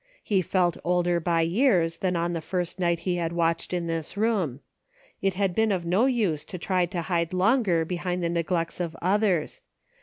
He felt older by years than on the first night he had watched in this room. It had been of no use to try to hide longer behind the neglects of others.